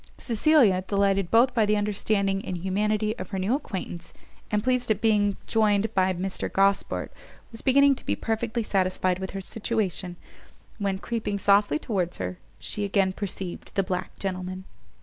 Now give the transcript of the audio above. Cecilia, delighted both by the understanding and humanity of her new acquaintance, and pleased at being joined by Mr Gosport, was beginning to be perfectly satisfied with her situation, when, creeping softly towards her, she again perceived the black gentleman.